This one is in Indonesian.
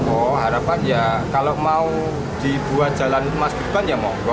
oh harapan ya kalau mau dibuat jalan mas gibran ya monggo